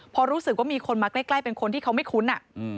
พอรู้สึกว่ามีคนมาใกล้เป็นคนที่เขาไม่คุ้น